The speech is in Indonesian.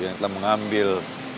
yang telah mengambil